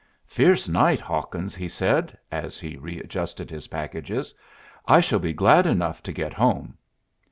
"Fierce night, Hawkins," he said, as he readjusted his packages. "I shall be glad enough to get home."